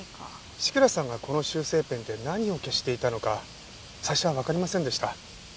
志倉さんがこの修正ペンで何を消していたのか最初はわかりませんでした。